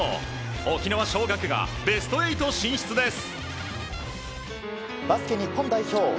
沖縄尚学がベスト８進出です。